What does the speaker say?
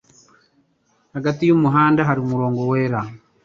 Hagati y'umuhanda hari umurongo wera.